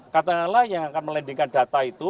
katakanlah yang akan melendingkan data itu